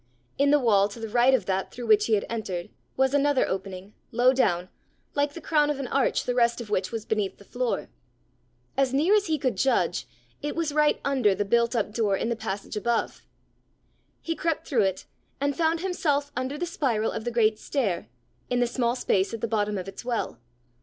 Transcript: In the wall to the right of that through which he had entered, was another opening, low down, like the crown of an arch the rest of which was beneath the floor. As near as he could judge, it was right under the built up door in the passage above. He crept through it, and found himself under the spiral of the great stair, in the small space at the bottom of its well.